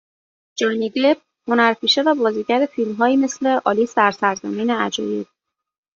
جانی دپ هنرپیشه و بازیگر فیلم هایی مثل آلیس در سرزمین عجایب